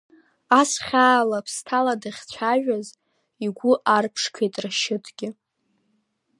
Ас хьаала, ԥсаҭала дахьцәажәаз игәы арԥшқеит Рашьыҭгьы.